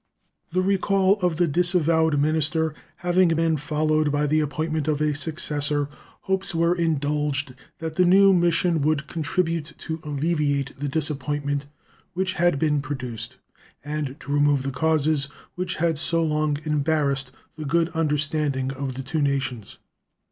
The recall of the disavowed minister having been followed by the appointment of a successor, hopes were indulged that the new mission would contribute to alleviate the disappointment which had been produced, and to remove the causes which had so long embarrassed the good understanding of the two nations.